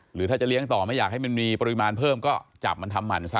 หรือถ้าจะเลี้ยงต่อไม่อยากให้มันมีปริมาณเพิ่มก็จับมันทำหั่นซะ